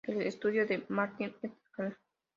El estudio de Martin "et al.